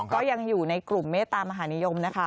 ก็ยังอยู่ในกลุ่มเมตตามหานิยมนะคะ